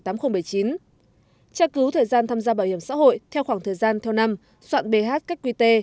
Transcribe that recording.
tra cứu thời gian tham gia bảo hiểm xã hội theo khoảng thời gian theo năm soạn bh qqt